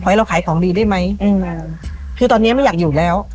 ให้เราขายของดีได้ไหมอืมคือตอนเนี้ยไม่อยากอยู่แล้ว